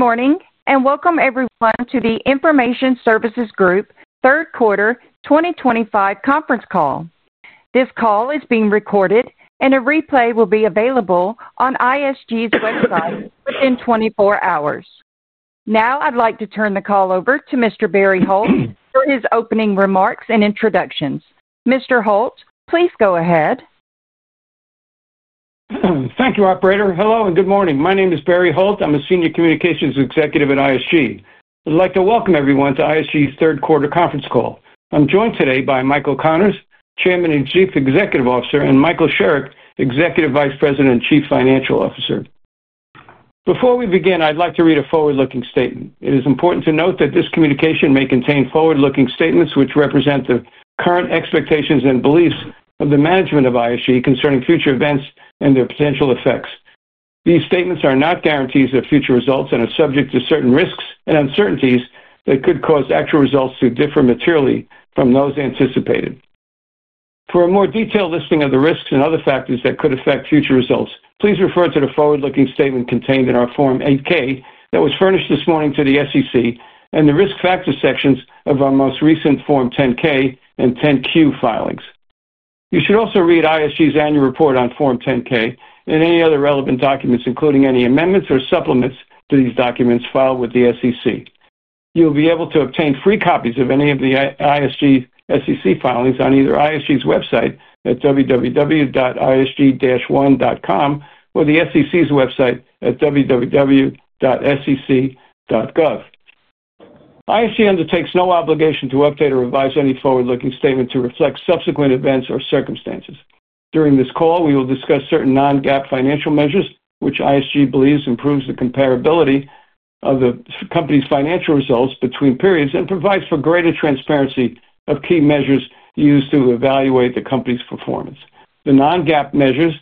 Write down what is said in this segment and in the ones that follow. Good morning and welcome everyone to the Information Services Group third quarter 2025 Conference Call. This call is being recorded, and a replay will be available on ISG's website within 24 hours. Now I'd like to turn the call over to Mr. Barry Holt for his opening remarks and introductions. Mr. Holt, please go ahead. Thank you, Operator. Hello and good morning. My name is Barry Holt. I'm a Senior Communications Executive at ISG. I'd like to welcome everyone to ISG's third quarter conference call. I'm joined today by Michael Connors, Chairman and Chief Executive Officer, and Michael Sherrick, Executive Vice President and Chief Financial Officer. Before we begin, I'd like to read a forward-looking statement. It is important to note that this communication may contain forward-looking statements which represent the current expectations and beliefs of the management of ISG concerning future events and their potential effects. These statements are not guarantees of future results and are subject to certain risks and uncertainties that could cause actual results to differ materially from those anticipated. For a more detailed listing of the risks and other factors that could affect future results, please refer to the forward-looking statement contained in our Form 8-K that was furnished this morning to the SEC and the Risk Factor Sections of our most recent Form 10-K and 10-Q Filings. You should also read ISG's annual report on Form 10-K and any other relevant documents, including any Amendments or Supplements to these documents filed with the SEC. You'll be able to obtain free copies of any of the ISG SEC filings on either ISG's website at www.ISG-1.com or the SEC's website at www.SEC.gov. ISG undertakes no obligation to update or revise any forward-looking statement to reflect subsequent events or circumstances. During this call, we will discuss certain non-GAAP Financial Measures which ISG believes improves the comparability of the company's Financial Results between periods and provides for greater transparency of key measures used to evaluate the company's performance. The non-GAAP Measures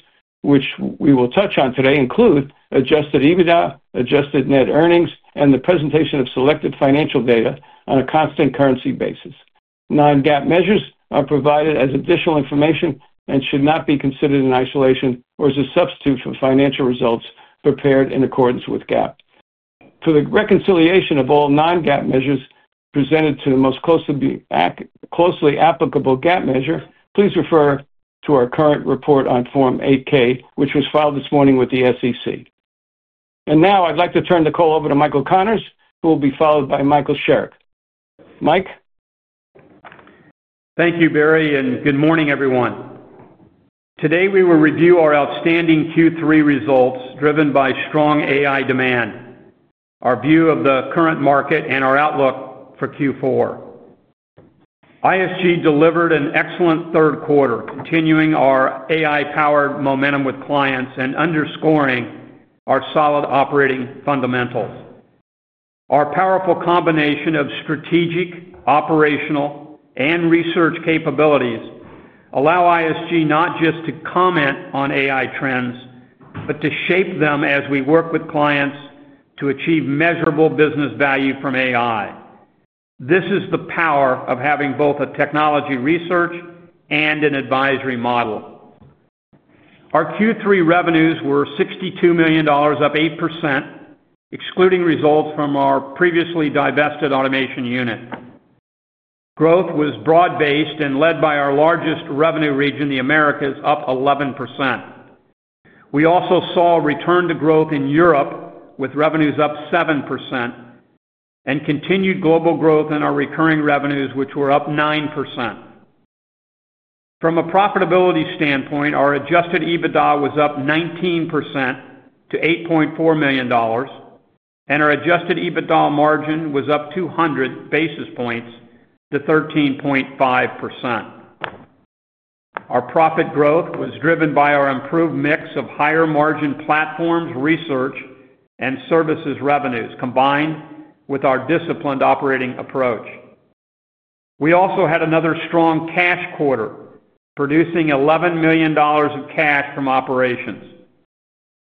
which we will touch on today include Adjusted EBITDA, Adjusted Net Earnings, and the presentation of selected Financial Data on a Constant Currency basis. Non-GAAP Measures are provided as additional information and should not be considered in isolation or as a substitute for Financial Results prepared in accordance with GAAP. For the reconciliation of all non-GAAP Measures presented to the most closely applicable GAAP measure, please refer to our current report on Form 8-K which was filed this morning with the SEC. Now I'd like to turn the call over to Michael Connors, who will be followed by Michael Sherrick. Mike. Thank you, Barry, and good morning, everyone. Today we will review our outstanding Q3 results driven by strong AI demand, our view of the current market, and our outlook for Q4. ISG delivered an excellent third quarter, continuing our AI-powered momentum with clients and underscoring our solid operating fundamentals. Our powerful combination of Strategic, Operational, and Research Capabilities allows ISG not just to comment on AI trends but to shape them as we work with clients to achieve measurable business value from AI. This is the power of having both a technology Research and an Advisory odel. Our Q3 Revenues were $62 million, up 8%. Excluding results from our previously divested automation unit, growth was broad-based and led by our largest Revenue region, the Americas, up 11%. We also saw return to growth in Europe with Revenues up 7%. We continued global growth in our Recurring Revenues, which were up 9%. From a profitability standpoint, our Adjusted EBITDA was up 19% to $8.4 million. Our Adjusted EBITDA Margin was up 200 basis points to 13.5%. Our profit growth was driven by our improved mix of higher margin platforms, research, and services Revenues combined with our disciplined operating approach. We also had another strong cash quarter, producing $11 million of cash from operations.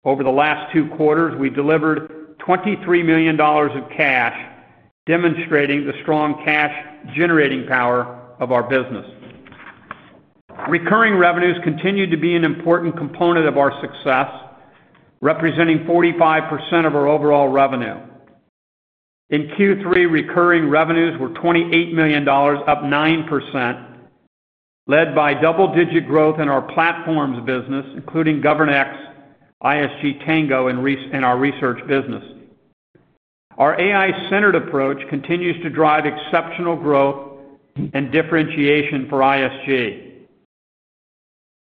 Over the last two quarters, we delivered $23 million of cash, demonstrating the strong cash-generating power of our business. Recurring Revenues continue to be an important component of our success, representing 45% of our overall Revenue. In Q3, Recurring Revenues were $28 million, up 9%, led by double-digit growth in our platforms business, including GovernX, ISG Tango, and our Research Business. Our AI-Centered Approach continues to drive exceptional growth and differentiation for ISG.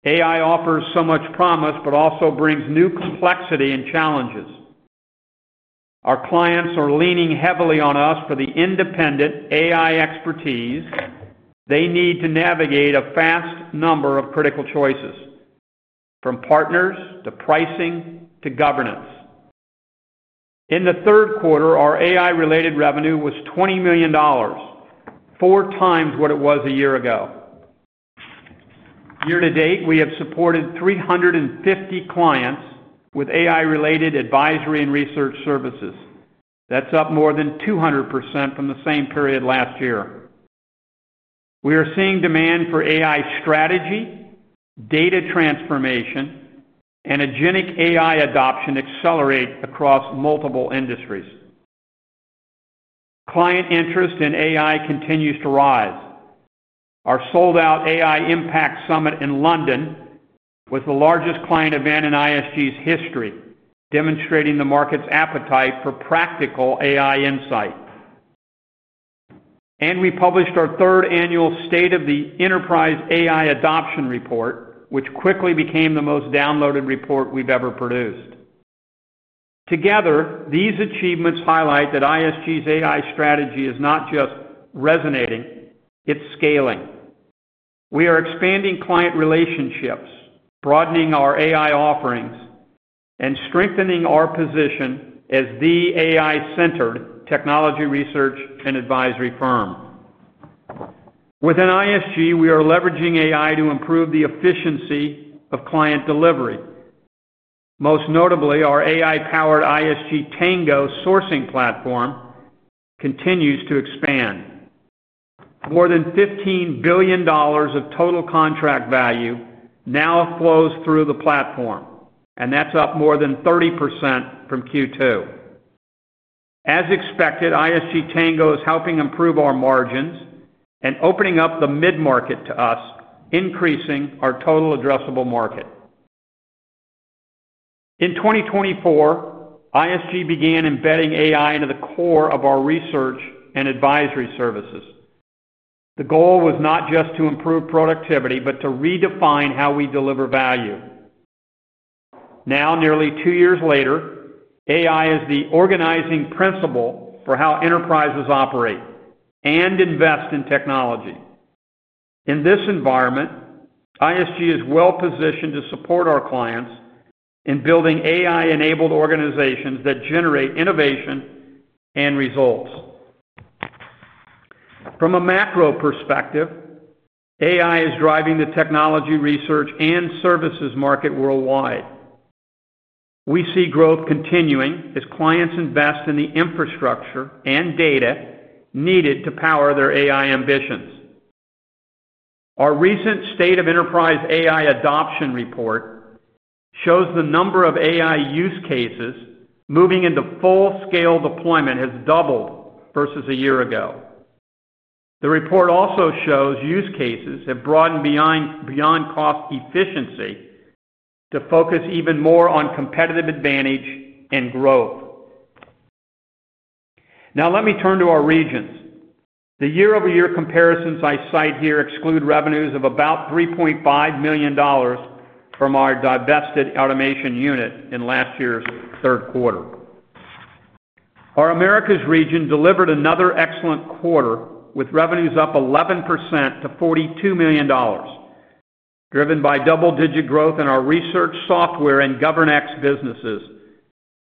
AI offers so much promise but also brings new complexity and challenges. Our clients are leaning heavily on us for the independent AI expertise they need to navigate a vast number of critical choices, from Partners to Pricing to Governance. In the third quarter, our AI-related Revenue was $20 million, four times what it was a year ago. Year to date, we have supported 350 clients with AI-related Advisory and Research Services. That's up more than 200% from the same period last year. We are seeing demand for AI Strategy, Sata Transformation, and Agentic AI Adoption accelerate across multiple industries. Client interest in AI continues to rise. Our sold-out AI Impact Summit in London was the largest client event in ISG's history, demonstrating the market's appetite for practical AI Insight. We published our third annual State of the Enterprise AI Adoption Report, which quickly became the most downloaded report we've ever produced. Together, these achievements highlight that ISG's AI Strategy is not just resonating; it's scaling. We are expanding client relationships, broadening our AI offerings, and strengthening our position as the AI-Centered Technology Research and Advisory Firm. Within ISG, we are leveraging AI to improve the efficiency of client delivery. Most notably, our AI-powered ISG Tango sourcing platform continues to expand. More than $15 billion of total contract value now flows through the platform, and that's up more than 30% from Q2. As expected, ISG Tango is helping improve our margins and opening up the mid-market to us, increasing our total addressable market. In 2024, ISG began embedding AI into the core of our research and advisory services. The goal was not just to improve productivity but to redefine how we deliver value. Now, nearly two years later, AI is the organizing principle for how enterprises operate and invest in technology. In this environment, ISG is well-positioned to support our clients in building AI-enabled organizations that generate innovation and results. From a macro perspective, AI is driving the technology research and services market worldwide. We see growth continuing as clients invest in the infrastructure and data needed to power their AI ambitions. Our recent State of Enterprise AI Adoption Report shows the number of AI use cases moving into full-scale deployment has doubled versus a year ago. The report also shows use cases have broadened beyond cost efficiency to focus even more on competitive advantage and growth. Now, let me turn to our regions. The year-over-year comparisons I cite here exclude Revenues of about $3.5 million from our divested automation unit in last year's third quarter. Our Americas region delivered another excellent quarter with Revenues up 11% to $42 million, driven by double-digit growth in our research, software, and GovernX businesses,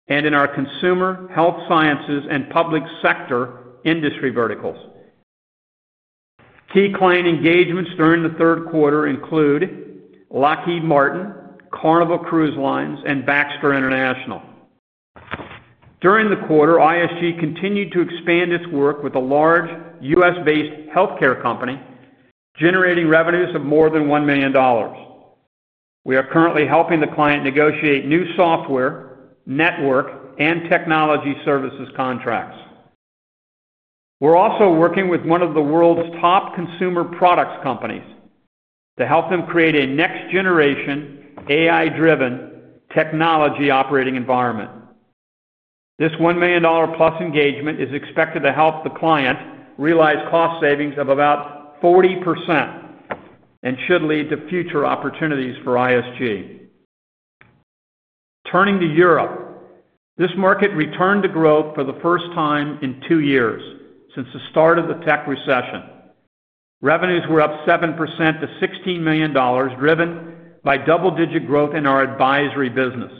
and in our Consumer, Health Sciences, Public Sector industry Verticals. Key client engagements during the third quarter include Lockheed Martin, Carnival Cruise Lines, and Baxter International. During the quarter, ISG continued to expand its work with a large U.S. based Healthcare Company, generating Revenues of more than $1 million. We are currently helping the client negotiate new software, network, and technology services contracts. We're also working with one of the world's top consumer products companies to help them create a next-generation AI-driven Technology operating environment. This $1 million-plus engagement is expected to help the client realize cost savings of about 40% and should lead to future opportunities for ISG. Turning to Europe, this market returned to growth for the first time in two years since the start of the Tech Recession. Revenues were up 7% to $16 million, driven by double-digit growth in our advisory business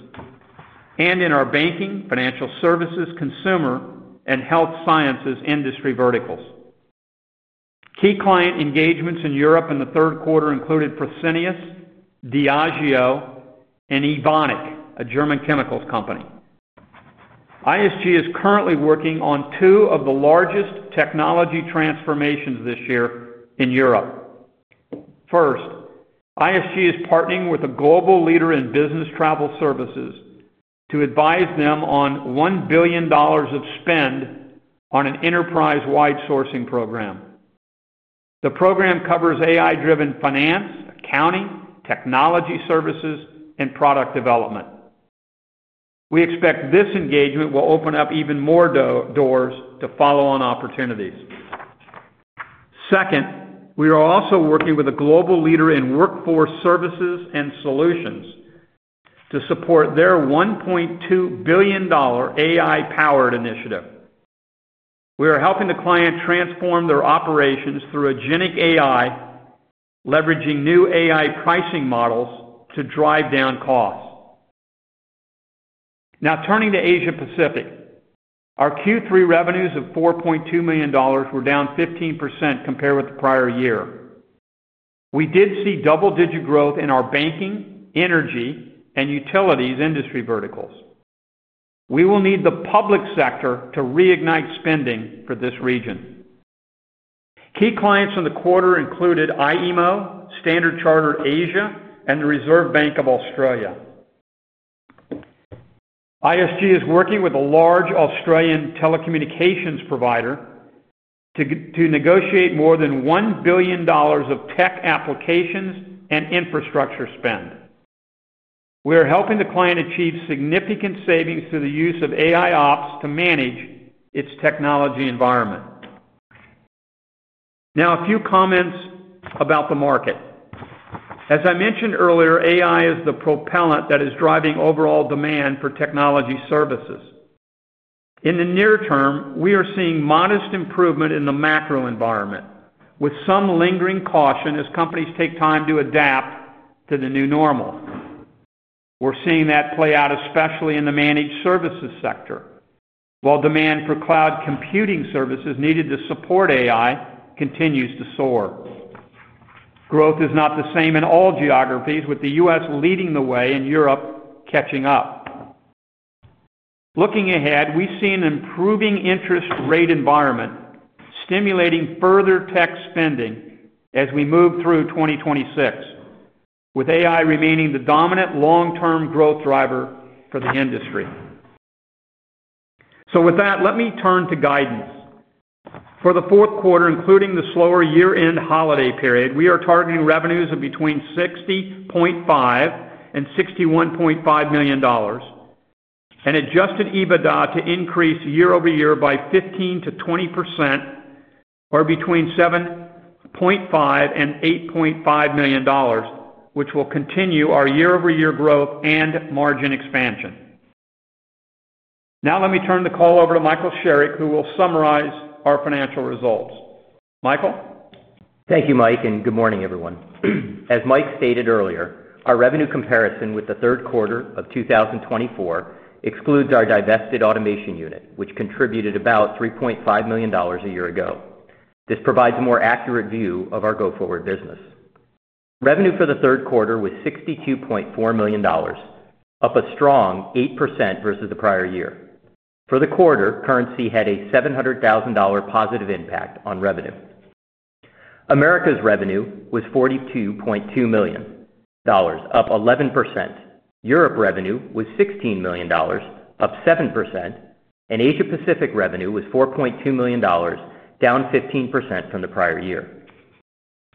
and in our banking, financial services, consumer, and health sciences industry verticals. Key client engagements in Europe in the third quarter included Fresenius, Diageo, and Evonik, a German chemicals company. ISG is currently working on two of the largest technology transformations this year in Europe. First, ISG is partnering with a global leader in business Travel Services to advise them on $1 billion of spend on an Enterprise-Wide Sourcing Program. The program covers AI-driven Finance, Accounting, Technology Services, and Product Development. We expect this engagement will open up even more doors to follow-on opportunities. Second, we are also working with a global leader in workforce services and solutions. To support their $1.2 billion AI-Powered Initiative. We are helping the client transform their operations through agentic AI. Leveraging new AI Pricing Models to drive down costs. Now, turning to Asia-Pacific. Our Q3 Revenues of $4.2 million were down 15% compared with the prior year. We did see double-digit growth in our banking, energy, and utilities industry verticals. We will need Public Sector to reignite spending for this region. Key clients in the quarter included IEMO, Standard Chartered Asia, and the Reserve Bank of Australia. ISG is working with a large Australian telecommunications provider. To negotiate more than $1 billion of tech applications and infrastructure spend. We are helping the client achieve significant savings through the use of AIOps to manage its technology environment. Now, a few comments about the market. As I mentioned earlier, AI is the propellant that is driving overall demand for Technology Services. In the near term, we are seeing modest improvement in the Macro Environment, with some lingering caution as companies take time to adapt to the new normal. We're seeing that play out, especially in the managed services sector, while demand for cloud computing services needed to support AI continues to soar. Growth is not the same in all geographies, with the U.S. leading the way and Europe catching up. Looking ahead, we see an improving interest rate environment stimulating further tech spending as we move through 2026. With AI remaining the dominant long-term growth driver for the industry. So with that, let me turn to Guidance. For the fourth quarter, including the slower year-end holiday period, we are targeting Revenues of between $60.5 million and $61.5 million. And Adjusted EBITDA to increase year-over-year by 15%-20%. Or between $7.5 million and $8.5 million, which will continue our year-over-year growth and margin expansion. Now, let me turn the call over to Michael Sherrick, who will summarize our Financial Results. Michael. Thank you, Mike, and good morning, everyone. As Mike stated earlier, our Revenue comparison with the third quarter of 2024 excludes our divested automation unit, which contributed about $3.5 million a year ago. This provides a more accurate view of our go-forward business. Revenue for the third quarter was $62.4 million. Up a strong 8% versus the prior year. For the quarter, currency had a $700,000 positive impact on Revenue. Americas Revenue was $42.2 million, up 11%. Europe Revenue was $16 million, up 7%, and Asia-Pacific Revenue was $4.2 million, down 15% from the prior year.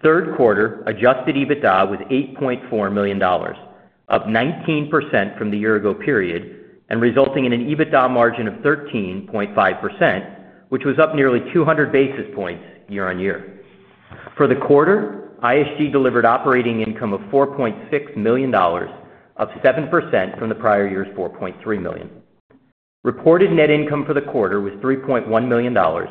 Third quarter Adjusted EBITDA was $8.4 million, up 19% from the year-ago period, and resulting in an EBITDA margin of 13.5%, which was up nearly 200 basis points year-on-year. For the quarter, ISG delivered operating income of $4.6 million, up 7% from the prior year's $4.3 million. Reported net income for the quarter was $3.1 million, or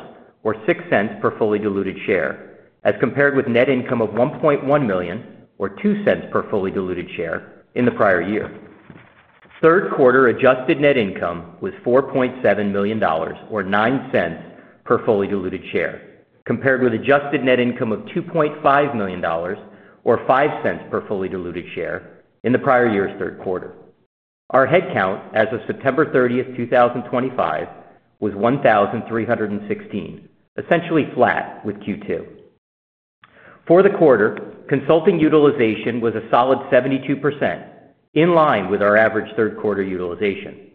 $0.06 per fully-diluted share, as compared with net income of $1.1 million, or $0.02 per fully-diluted share, in the prior year. Third quarter Adjusted Net Income was $4.7 million, or $0.09 per fully-diluted share, compared with Adjusted Net Income of $2.5 million, or $0.05 per fully-diluted share, in the prior year's third quarter. Our headcount as of September 30th, 2025, was 1,316, essentially flat with Q2. For the quarter, consulting utilization was a solid 72%, in line with our average third-quarter utilization.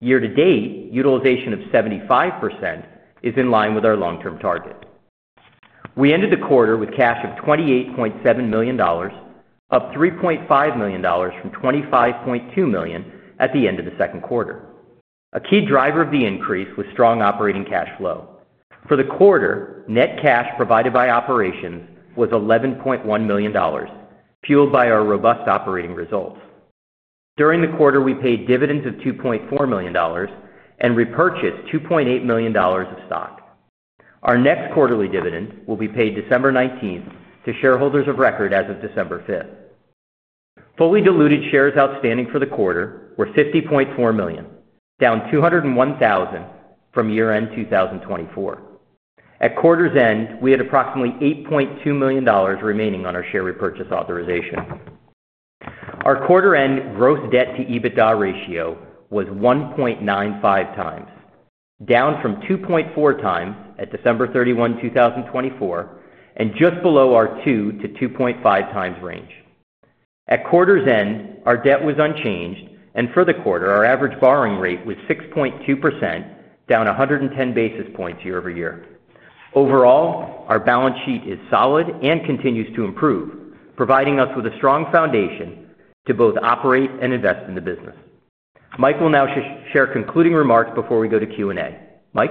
Year-to-date, utilization of 75% is in line with our long-term target. We ended the quarter with cash of $28.7 million, up $3.5 million from $25.2 million at the end of the second quarter. A key driver of the increase was strong operating Cash Flow. For the quarter, net cash provided by operations was $11.1 million, fueled by our robust operating results. During the quarter, we paid dividends of $2.4 million and repurchased $2.8 million of stock. Our next quarterly dividend will be paid December 19th to Shareholders of record as of December 5. Fully-Diluted Shares outstanding for the quarter were 50.4 million, down 201,000 from year-end 2024. At quarter's end, we had approximately $8.2 million remaining on our Share Repurchase Authorization. Our quarter-end gross debt-to-EBITDA Ratio was 1.95 times, down from 2.4 times at December 31, 2024, and just below our 2-2.5 times range. At quarter's end, our debt was unchanged, and for the quarter, our average borrowing rate was 6.2%, down 110 basis points year-over-year. Overall, our balance sheet is solid and continues to improve, providing us with a strong foundation to both operate and invest in the business. Mike will now share concluding remarks before we go to Q&A. Mike.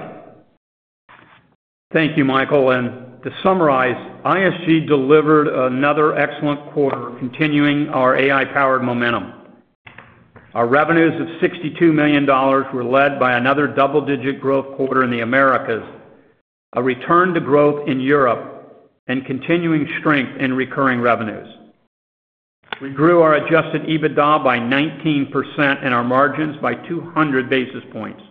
Thank you, Michael. To summarize, ISG delivered another excellent quarter, continuing our AI-Powered Momentum. Our Revenues of $62 million were led by another double-digit growth quarter in the Americas, a return to growth in Europe, and continuing strength in Recurring Revenues. We grew our Adjusted EBITDA by 19% and our Margins by 200 basis points,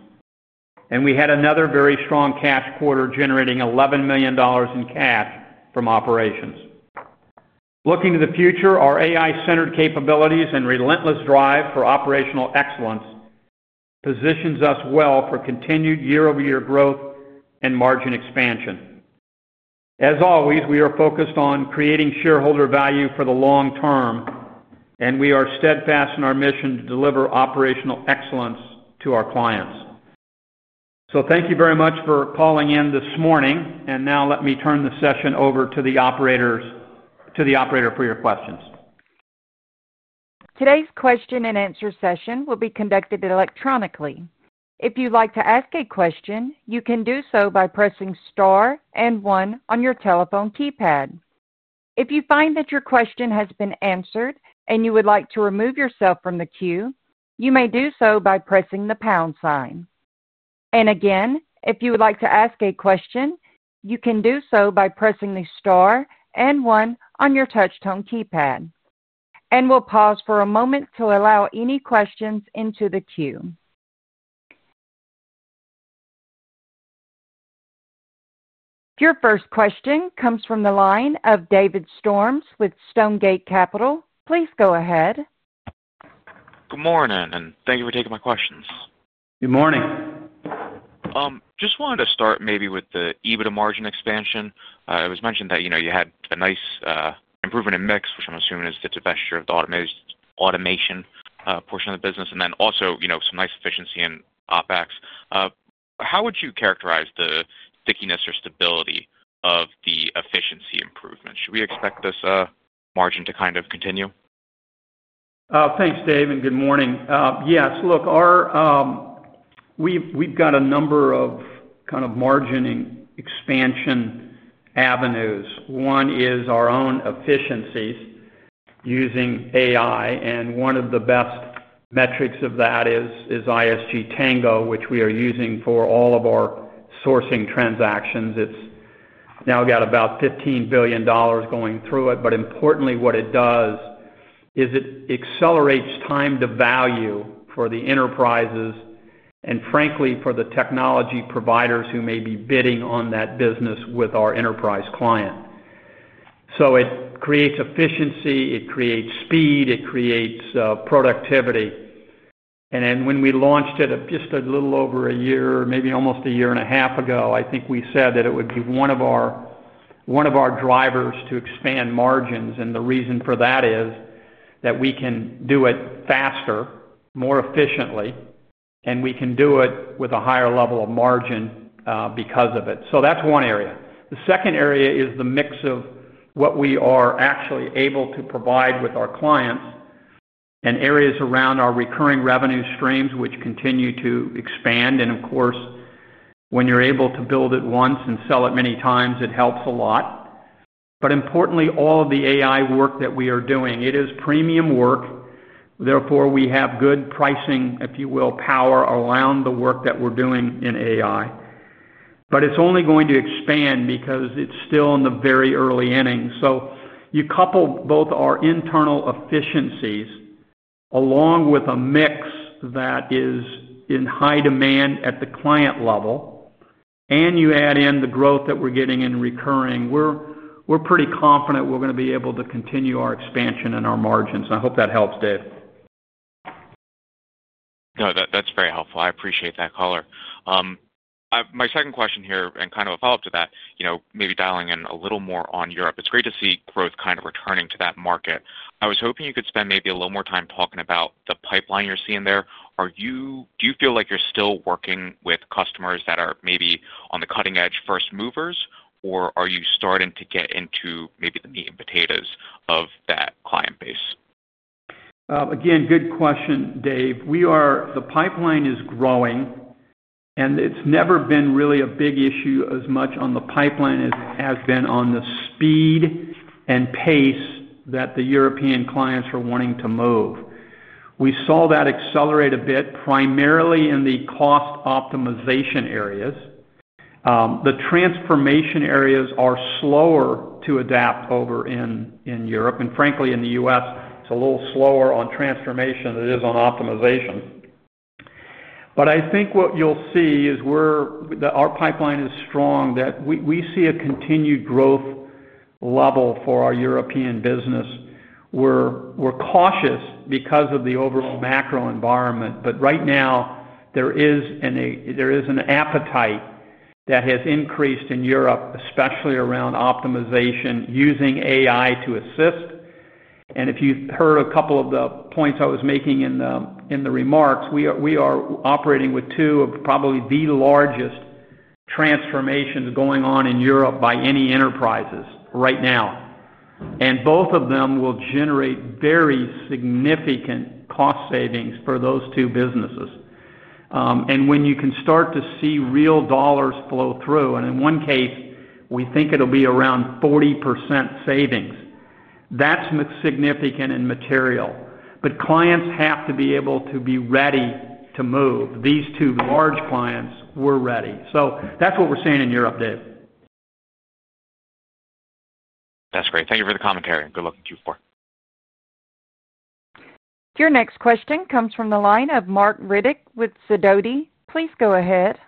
and we had another very strong cash quarter generating $11 million in cash from operations. Looking to the future, our AI-centered capabilities and relentless drive for operational excellence position us well for continued year-over-year growth and margin expansion. As always, we are focused on creating shareholder value for the long term, and we are steadfast in our mission to deliver operational excellence to our clients. Thank you very much for calling in this morning. Now, let me turn the session over to the operator for your questions. Today's question-and-answer session will be conducted electronically. If you'd like to ask a question, you can do so by pressing star and one on your telephone keypad. If you find that your question has been answered and you would like to remove yourself from the queue, you may do so by pressing the pound sign. Again, if you would like to ask a question, you can do so by pressing the star and one on your touch-tone keypad. We'll pause for a moment to allow any questions into the queue. Your first question comes from the line of David Storms with Stonegate Capital. Please go ahead. Good morning, and thank you for taking my questions. Good morning. Just wanted to start maybe with the EBITDA Margin expansion. It was mentioned that you had a nice improvement in mix, which I'm assuming is the divestiture of the automation portion of the business, and then also some nice efficiency in OpEx. How would you characterize the stickiness or stability of the efficiency improvement? Should we expect this margin to kind of continue? Thanks, Dave, and good morning. Yes. Look. We've got a number of kind of Margin Expansion Avenues. One is our own efficiencies. Using AI, and one of the best metrics of that is ISG Tango, which we are using for all of our Sourcing Transactions. It's now got about $15 billion going through it. Importantly, what it does is it accelerates time to value for the Enterprises and, frankly, for the technology providers who may be bidding on that business with our enterprise client. It creates efficiency. It creates speed. It creates productivity. When we launched it just a little over a year, maybe almost a year and a half ago, I think we said that it would be one of our drivers to expand Margins. The reason for that is that we can do it faster, more efficiently, and we can do it with a higher level of margin because of it. That's one area. The second area is the mix of what we are actually able to provide with our clients. Areas around our recurring Revenue Streams, which continue to expand. Of course, when you're able to build it once and sell it many times, it helps a lot. Importantly, all of the AI work that we are doing, it is premium work. Therefore, we have good pricing, if you will, power around the work that we're doing in AI. It's only going to expand because it's still in the very early innings. You couple both our internal efficiencies along with a mix that is in high demand at the client level, and you add in the growth that we're getting in recurring, we're pretty confident we're going to be able to continue our expansion and our margins. I hope that helps, Dave. No, that's very helpful. I appreciate that, Connors. My second question here, and kind of a follow-up to that, maybe dialing in a little more on Europe. It's great to see growth kind of returning to that market. I was hoping you could spend maybe a little more time talking about the pipeline you're seeing there. Do you feel like you're still working with customers that are maybe on the cutting-edge first movers, or are you starting to get into maybe the meat and potatoes of that client base? Again, good question, Dave. The pipeline is growing, and it's never been really a big issue as much on the pipeline as it has been on the speed and pace that the European clients are wanting to move. We saw that accelerate a bit, primarily in the cost optimization areas. The transformation areas are slower to adapt over in Europe. Frankly, in the U.S., it's a little slower on transformation than it is on optimization. I think what you'll see is our pipeline is strong, that we see a continued growth level for our European business. We're cautious because of the overall macro environment. Right now, there is an appetite that has increased in Europe, especially around optimization using AI to assist. If you've heard a couple of the points I was making in the remarks, we are operating with two of probably the largest transformations going on in Europe by any enterprises right now. Both of them will generate very significant cost savings for those two businesses. When you can start to see real dollars flow through, and in one case, we think it'll be around 40% savings, that's significant and material. Clients have to be able to be ready to move. These two large clients were ready. That's what we're seeing in Europe, Dave. That's great. Thank you for the commentary. Good luck with Q4. Your next question comes from the line of Mark Riddick with Sidoti. Please go ahead.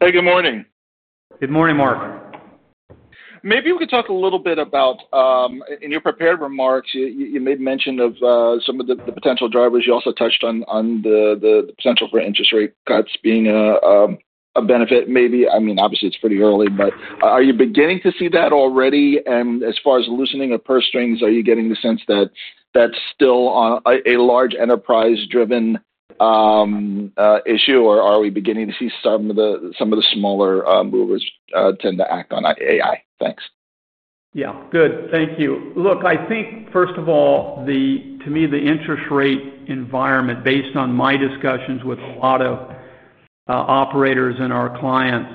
Hey, good morning. Good morning, Mark. Maybe we could talk a little bit about, in your prepared remarks, you made mention of some of the potential drivers. You also touched on the potential for interest rate cuts being a benefit maybe. I mean, obviously, it's pretty early, but are you beginning to see that already? As far as loosening of purse strings, are you getting the sense that that's still a large enterprise-driven issue, or are we beginning to see some of the smaller movers tend to act on AI? Thanks. Yeah. Good. Thank you. Look, I think, first of all, to me, the interest rate environment, based on my discussions with a lot of operators and our clients,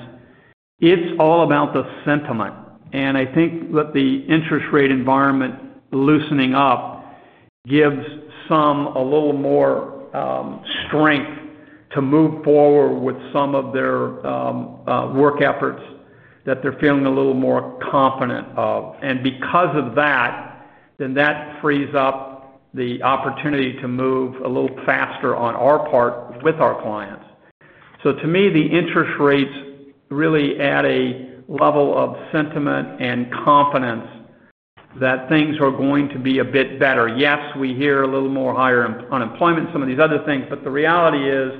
it's all about the sentiment. I think that the interest rate environment loosening up gives some a little more strength to move forward with some of their work efforts that they're feeling a little more confident of. Because of that, then that frees up the opportunity to move a little faster on our part with our clients. To me, the interest rates really add a level of sentiment and confidence that things are going to be a bit better. Yes, we hear a little more higher unemployment, some of these other things, but the reality is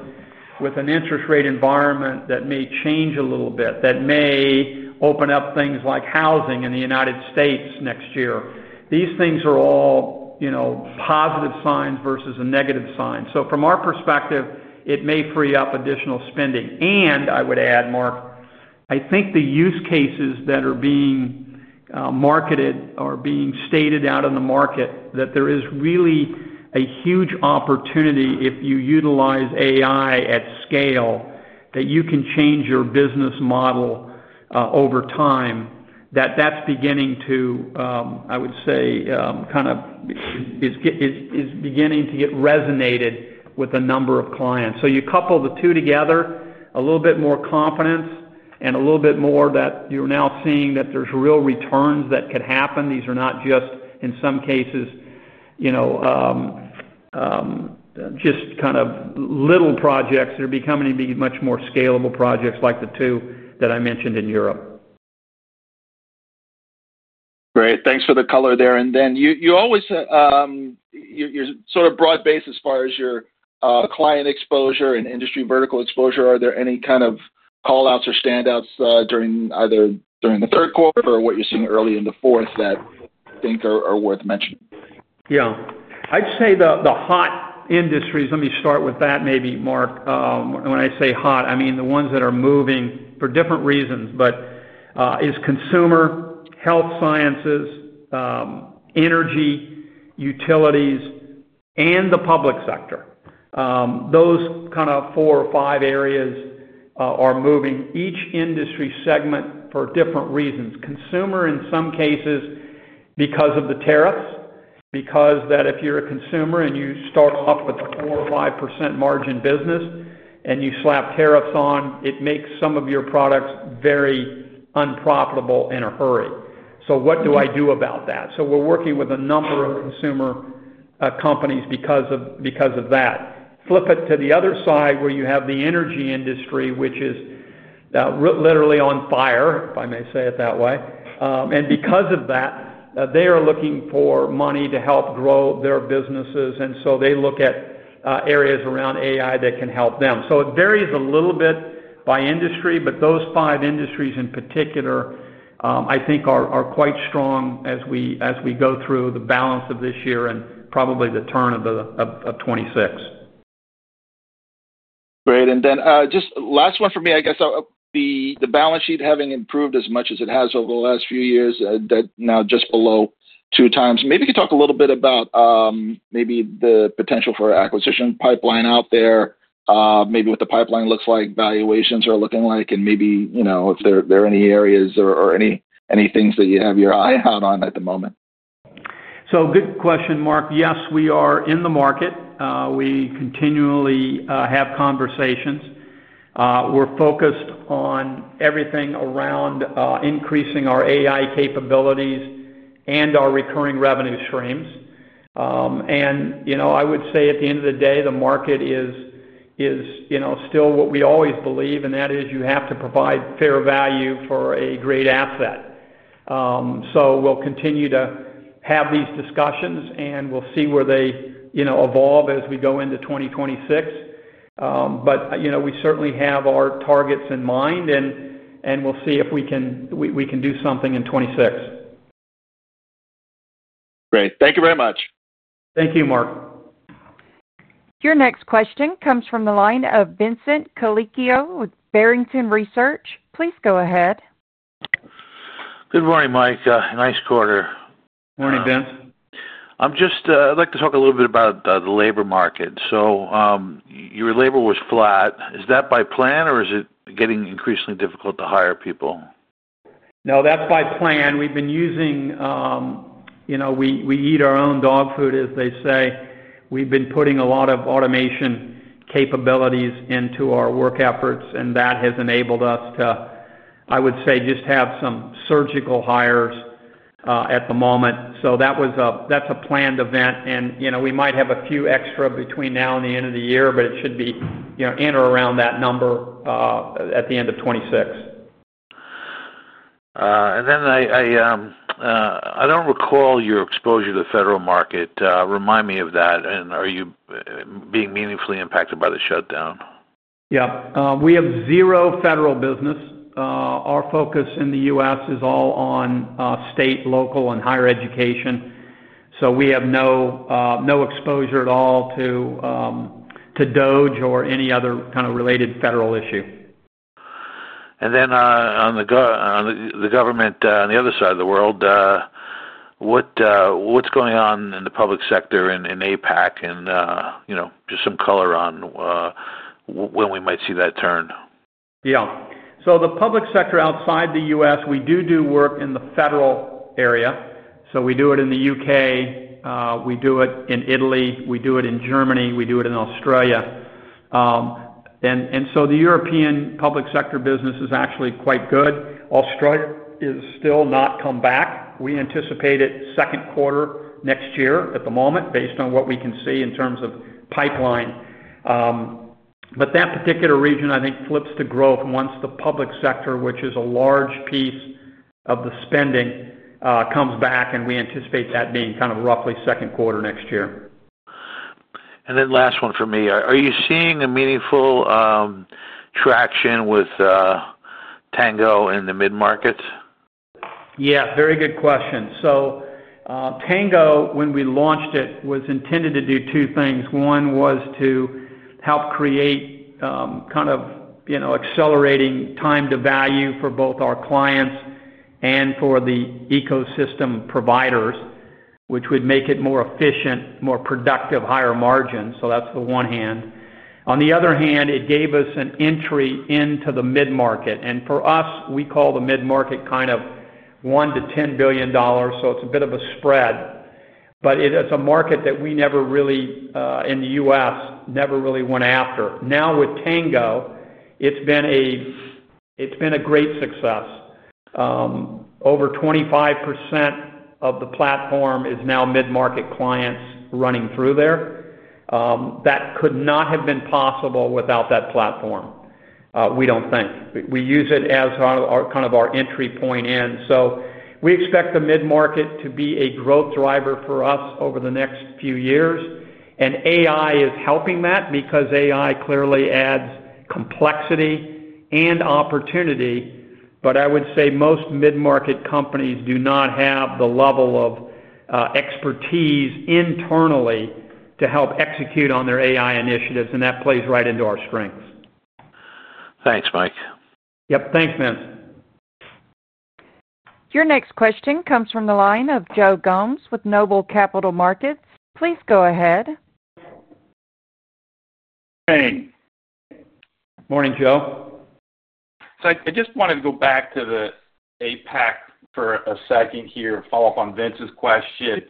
with an interest rate environment that may change a little bit, that may open up things like housing in the United States next year, these things are all. Positive signs versus a negative sign. From our perspective, it may free up additional spending. I would add, Mark, I think the use cases that are being marketed or being stated out in the market, that there is really a huge opportunity if you utilize AI at scale, that you can change your business model. Over time, that is beginning to, I would say, kind of, is beginning to get resonated with a number of clients. You couple the two together, a little bit more confidence, and a little bit more that you're now seeing that there's real returns that could happen. These are not just, in some cases, just kind of little projects that are becoming much more scalable projects like the two that I mentioned in Europe. Great. Thanks for the color there. You always, you're sort of broad-based as far as your client exposure and industry vertical exposure. Are there any kind of callouts or standouts during either the third quarter or what you're seeing early in the fourth that you think are worth mentioning? Yeah. I'd say the hot industries, let me start with that maybe, Mark. When I say hot, I mean the ones that are moving for different reasons, but it's Consumer, Health Sciences, Energy, Utilities, and the Public Sector. Those four or five areas are moving, each Industry Segment for different reasons. Consumer, in some cases, because of the tariffs, because if you're a consumer and you start off with a 4% or 5% margin business and you slap tariffs on, it makes some of your products very unprofitable in a hurry. What do I do about that? We're working with a number of consumer companies because of that. Flip it to the other side where you have the Energy Industry, which is literally on fire, if I may say it that way. Because of that, they are looking for money to help grow their businesses. They look at areas around AI that can help them. It varies a little bit by industry, but those five industries in particular I think are quite strong as we go through the balance of this year and probably the turn of 2026. Great. Just last one for me, I guess. The balance sheet having improved as much as it has over the last few years, now just below two times. Maybe you could talk a little bit about the potential for acquisition pipeline out there, maybe what the pipeline looks like, valuations are looking like, and if there are any areas or any things that you have your eye out on at the moment. Good question, Mark. Yes, we are in the market. We continually have conversations. We're focused on everything around increasing our AI capabilities and our recurring Revenue streams. I would say at the end of the day, the market is still what we always believe, and that is you have to provide fair value for a great asset. We will continue to have these discussions, and we will see where they evolve as we go into 2026. We certainly have our targets in mind, and we will see if we can do something in 2026. Great. Thank you very much. Thank you, Mark. Your next question comes from the line of Vincent Colicchio with Barrington Research. Please go ahead. Good morning, Mike. Nice quarter. Morning, Vince. I would like to talk a little bit about the labor market. Your labor was flat. Is that by plan, or is it getting increasingly difficult to hire people? No, that is by plan. We have been using—we eat our own dog food, as they say. We have been putting a lot of Automation capabilities into our work efforts, and that has enabled us to, I would say, just have some surgical hires at the moment. That is a planned event. We might have a few extra between now and the end of the year, but it should be in or around that number at the end of 2026. I do not recall your exposure to the Federal Market. Remind me of that. Are you being meaningfully impacted by the shutdown? Yes. We have zero federal business. Our focus in the U.S. is all on State, Local, and Higher Education. We have no exposure at all to DOGE or any other kind of related Federal Issue. On the government on the other side of the world, what is going on in Public Sector in Asia-Pacific, and just some color on when we might see that turn? Public Sector outside the U.S., we do do work in the Federal Area. We do it in the U.K. We do it in Italy. We do it in Germany. We do it in Australia. The Public Sector business is actually quite good. Australia has still not come back. We anticipate it second quarter next year at the moment, based on what we can see in terms of pipeline. That particular region, I think, flips to growth once Public Sector, which is a large piece of the spending, comes back. We anticipate that being kind of roughly second quarter next year. Last one for me. Are you seeing meaningful traction with ISG Tango in the mid-market? Very good question. ISG Tango, when we launched it, was intended to do two things. One was to help create kind of accelerating time to value for both our clients and for the ecosystem providers, which would make it more efficient, more productive, higher margins. That is the one hand. On the other hand, it gave us an entry into the mid-market. For us, we call the mid-market kind of $1 billion-$10 billion. It is a bit of a spread, but it is a market that we never really, in the U.S., never really went after. Now with Tango, it has been a great success. Over 25% of the platform is now mid-market clients running through there. That could not have been possible without that platform, we do not think. We use it as kind of our entry point in. We expect the mid-market to be a growth driver for us over the next few years. AI is helping that because AI clearly adds complexity and opportunity. I would say most mid-market companies do not have the level of expertise internally to help execute on their AI Initiatives, and that plays right into our strengths. Thanks, Mike. Yep. Thanks, Vince. Your next question comes from the line of Joe Gomes with Noble Capital Markets. Please go ahead. Morning, Joe. I just wanted to go back to the APAC for a second here and follow up on Vincent's question.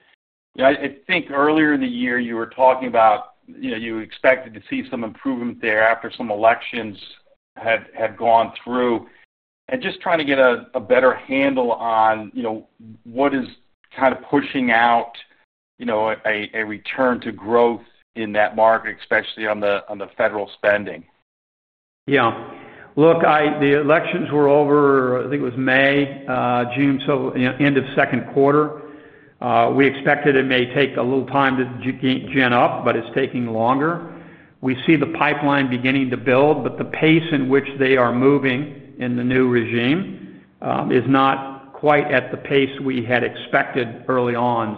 I think earlier in the year, you were talking about you expected to see some improvement there after some elections had gone through. I am just trying to get a better handle on what is kind of pushing out a return to growth in that market, especially on the federal spending. Yeah. The elections were over, I think it was May, June, so end of second quarter. We expected it may take a little time to gain up, but it is taking longer. We see the pipeline beginning to build, but the pace in which they are moving in the new regime is not quite at the pace we had expected early on.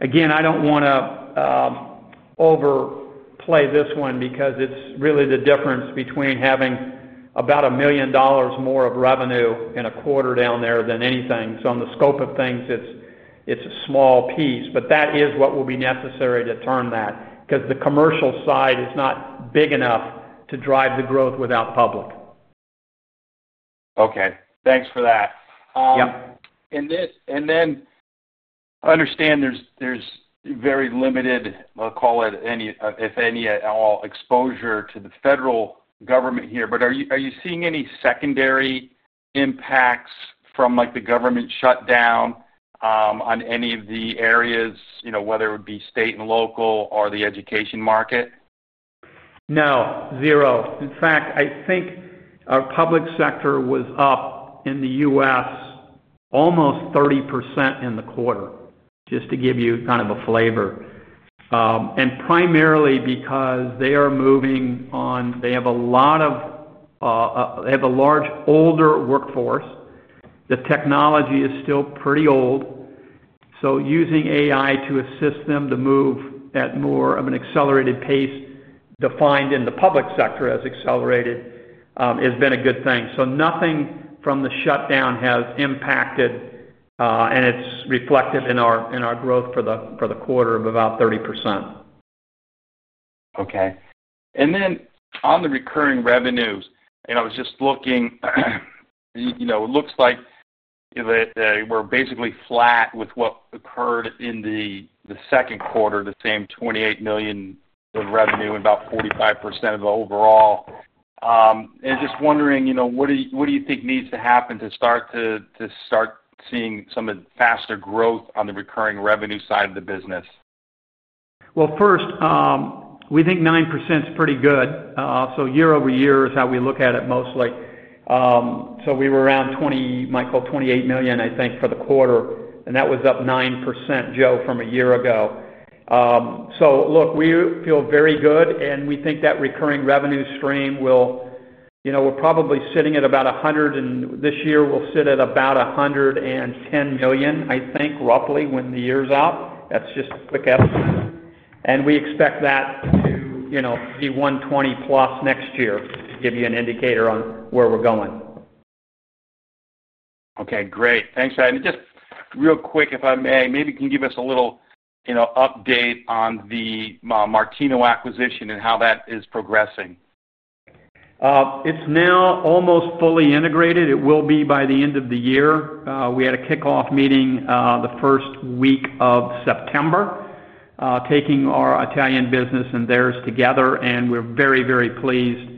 I do not want to overplay this one because it is really the difference between having about $1 million more of Revenue in a quarter down there than anything. On the scope of things, it is a small piece, but that is what will be necessary to turn that because the commercial side is not big enough to drive the growth without public. Okay. Thanks for that. I understand there is very limited, I will call it, if any at all, exposure to the federal government here. Are you seeing any secondary impacts from the government shutdown on any of the areas, whether it would be state and local or the Education Market? No. Zero. In fact, I think Public Sector was up in the U.S. almost 30% in the quarter, just to give you kind of a flavor. Primarily because they are moving on. They have a large older workforce. The technology is still pretty old, so using AI to assist them to move at more of an accelerated pace defined in Public Sector as accelerated has been a good thing. Nothing from the shutdown has impacted. It is reflected in our growth for the quarter of about 30%. Okay. On the Recurring Revenues, I was just looking. It looks like they were basically flat with what occurred in the second quarter, the same $28 million of Revenue, about 45% of the overall. Just wondering, what do you think needs to happen to start to start seeing some faster growth on the recurring Revenue side of the business? First, we think 9% is pretty good. Year over year is how we look at it mostly. We were around, might call it $28 million, I think, for the quarter. That was up 9%, Joe, from a year ago. Look, we feel very good. We think that recurring Revenue stream will, we are probably sitting at about $100 million, and this year we will sit at about $110 million, I think, roughly when the year is out. That is just a quick estimate. We expect that to be $120 million plus next year to give you an indicator on where we are going. Okay. Great. Thanks. Just real quick, if I may, maybe you can give us a little update on the Martino Acquisition and how that is progressing. It is now almost fully integrated. It will be by the end of the year. We had a kickoff meeting the first week of September. Taking our Italian business and theirs together. We are very, very pleased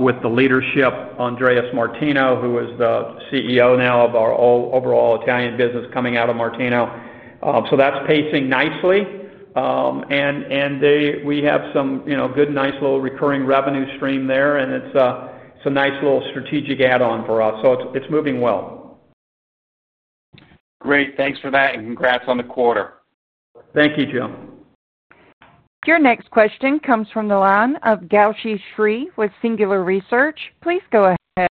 with the leadership, Andrea Martino, who is the CEO now of our overall Italian business coming out of Martino. That is pacing nicely. We have some good, nice little recurring Revenue stream there. It is a nice little strategic add-on for us. It is moving well. Great. Thanks for that. Congrats on the quarter. Thank you, Joe. Your next question comes from the line of Gao Xi Shi with Singular Research. Please go ahead.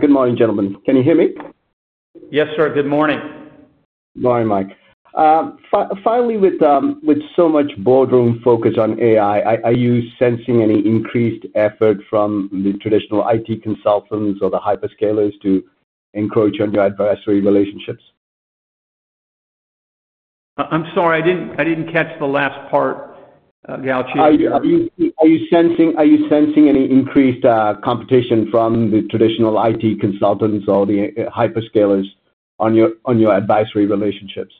Good morning, gentlemen. Can you hear me? Yes, sir. Good morning. Morning, Mike. Finally, with so much boardroom focus on AI, are you sensing any increased effort from the traditional IT Consultants or the Hyperscalers to encroach on your Advisory Relationships? I am sorry. I did not catch the last part, Gao Xi. Are you sensing any increased competition from the traditional IT Consultants or the Hyperscalers on your Advisory relationships?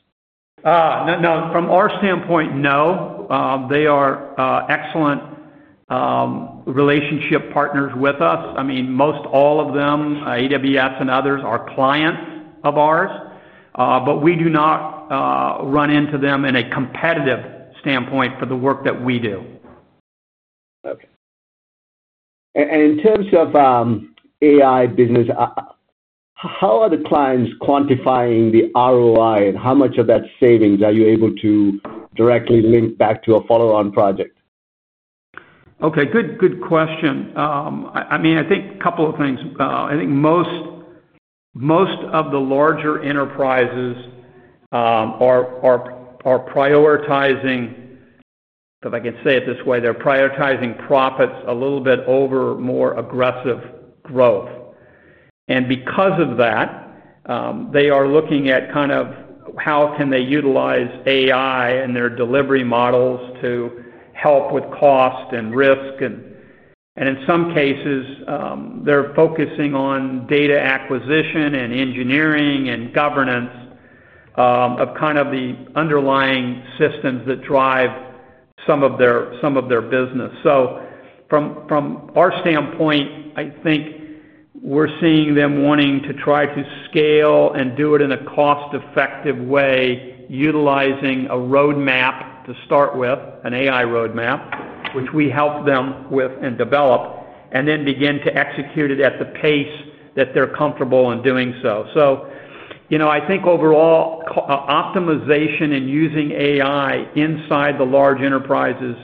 No. From our standpoint, no. They are excellent relationship partners with us. Most all of them, AWS and others, are clients of ours. We do not run into them in a competitive standpoint for the work that we do. Okay. In terms of AI business, how are the clients quantifying the ROI, and how much of that savings are you able to directly link back to a follow-on project? Good question. I think a couple of things. I think most of the larger enterprises are prioritizing, if I can say it this way, they are prioritizing profits a little bit over more aggressive growth. Because of that. They are looking at kind of how can they utilize AI and their delivery models to help with cost and risk. In some cases, they're focusing on Data Acquisition and Engineering and Governance of kind of the underlying systems that drive some of their business. From our standpoint, I think we're seeing them wanting to try to scale and do it in a cost-effective way, utilizing a roadmap to start with, an AI Roadmap, which we help them with and develop, and then begin to execute it at the pace that they're comfortable in doing so. I think overall, optimization and using AI inside the large enterprises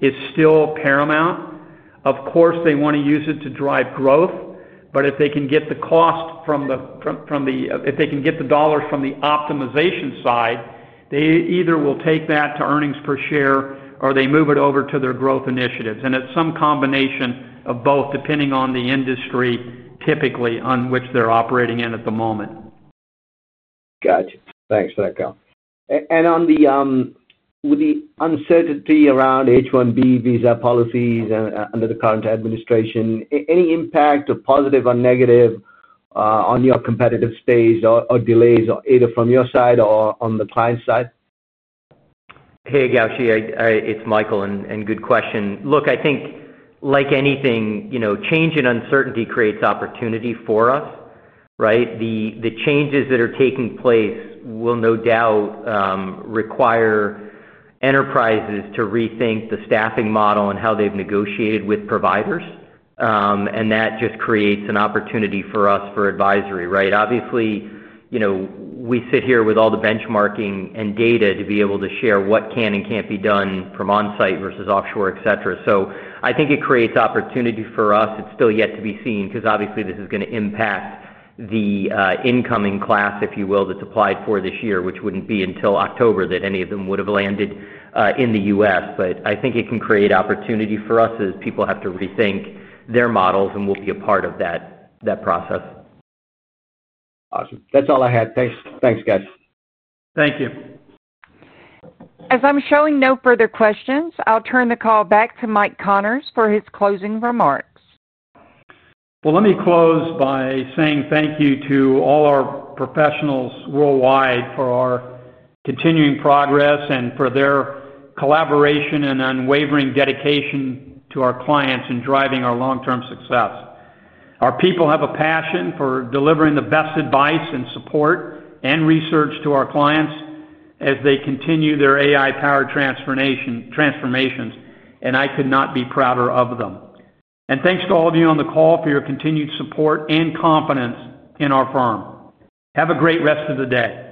is still paramount. Of course, they want to use it to drive growth. If they can get the cost from the—if they can get the dollars from the optimization side, they either will take that to earnings per share or they move it over to their growth initiatives. It's some combination of both, depending on the industry, typically, on which they're operating in at the moment. Gotcha. Thanks for that, Joe. With the uncertainty around H-1B Visa Policies under the current administration, any impact, positive or negative, on your competitive space or delays, either from your side or on the client side? Hey, Gao Xi. It's Michael. Good question. Look, I think like anything, change and uncertainty creates opportunity for us, right? The changes that are taking place will no doubt require enterprises to rethink the staffing model and how they've negotiated with providers. That just creates an opportunity for us for advisory, right? Obviously, we sit here with all the benchmarking and data to be able to share what can and can't be done from on-site versus offshore, etc. I think it creates opportunity for us. It's still yet to be seen because obviously this is going to impact the incoming class, if you will, that's applied for this year, which wouldn't be until October that any of them would have landed in the US. I think it can create opportunity for us as people have to rethink their models, and we'll be a part of that process. Awesome. That's all I had. Thanks, guys. Thank you. As I'm showing no further questions, I'll turn the call back to Mike Connors for his closing remarks. Let me close by saying thank you to all our professionals worldwide for our continuing progress and for their collaboration and unwavering dedication to our clients in driving our long-term success. Our people have a passion for delivering the best advice and support and research to our clients as they continue their AI-powered transformations. I could not be prouder of them. Thanks to all of you on the call for your continued support and confidence in our firm. Have a great rest of the day.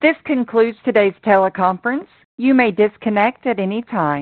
This concludes today's teleconference. You may disconnect at any time.